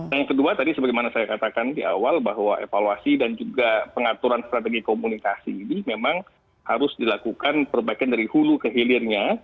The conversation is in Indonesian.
nah yang kedua tadi sebagaimana saya katakan di awal bahwa evaluasi dan juga pengaturan strategi komunikasi ini memang harus dilakukan perbaikan dari hulu ke hilirnya